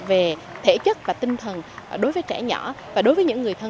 về thể chất và tinh thần đối với trẻ nhỏ và đối với những người thân